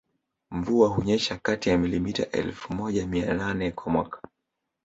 Mvua hunyesha kati ya milimita elfu moja mia nane kwa mwaka